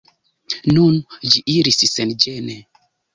Nun ĝi iris senĝene.